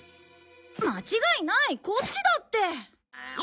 間違いないこっちだって！